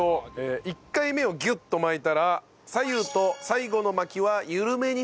１回目をギュッと巻いたら左右と最後の巻きは緩めにふわっと巻くと。